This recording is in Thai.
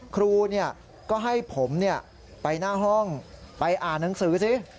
ครูก็ให้ผมไปหน้าห้องไปอ่านหนังสือสิ